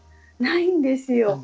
ないんですよ。